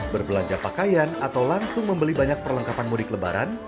berbelanja pakaian atau langsung membeli banyak perlengkapan mudik lebaran